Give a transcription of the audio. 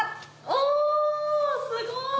おすごい！